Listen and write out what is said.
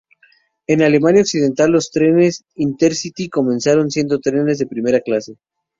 En Alemania Occidental los trenes Intercity comenzaron siendo trenes de primera clase.